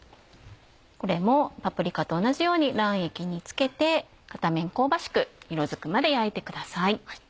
これもパプリカと同じように卵液につけて片面香ばしく色づくまで焼いてください。